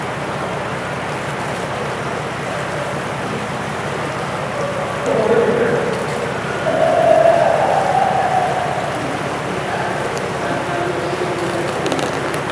په قلم لیکنه کول د چټک ژوند په منځ کي د ارامتیا شیبه ده.